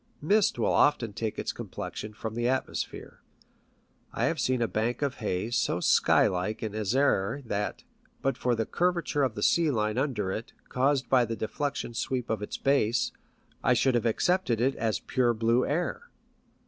Mist will often take its complexion from the atmosphere. I have seen PICTURES AT SEA, 60 a bank of haze of so sky like an azare that, but for the curvature of the sea line under it, caused by the deflec tive sweep of its base, I should have accepted it as pure blue air.